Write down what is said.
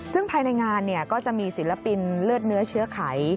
ซึ่งภายในงานก็จะมีศิลปินเลือดเนื้อเชื้อไข